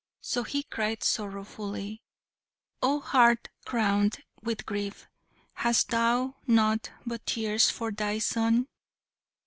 So he cried sorrowfully, "Oh heart crown'd with grief, hast thou nought But tears for thy son?